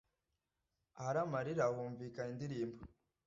ahari amarira humvikana indirimbo